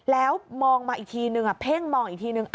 แล้วมองมาอีกทีนึงเพ่งมองอีกทีนึง